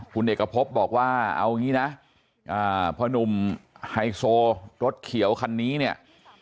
คุณเอกพบบอกว่าเอางี้นะพ่อนุ่มไฮโซรถเขียวคันนี้เนี่ย